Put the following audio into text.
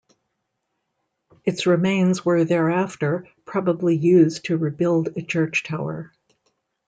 Its remains were thereafter probably used to rebuild a church tower.